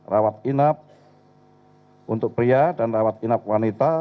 rawat inap untuk pria dan rawat inap wanita